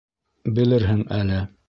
Белерһең әле.